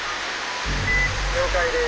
「了解です」。